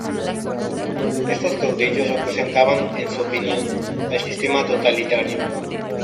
Estos caudillos representaban ―en su opinión― al sistema totalitario.